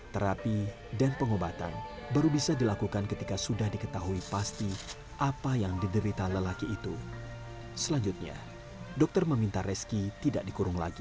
terapi dan pengobatan baru bisa dilakukan ketika sudah diketahui pasti apa yang diderita lelaki itu selanjutnya dokter meminta reski tidak dikurung lagi